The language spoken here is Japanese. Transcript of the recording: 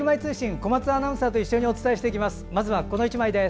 小松アナウンサーと一緒にお伝えしていきます。